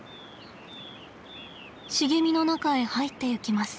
茂みの中へ入っていきます。